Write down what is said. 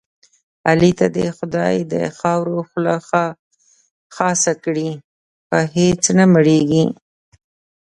علي ته دې خدای د خاورو خوله خاصه کړي په هېڅ نه مړېږي.